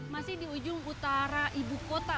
masih di ujung utara ibukota